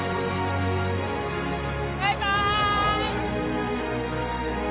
バイバイ！